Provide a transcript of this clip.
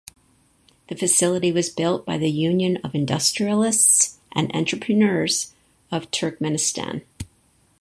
The facility was built by the Union of Industrialists and Entrepreneurs of Turkmenistan.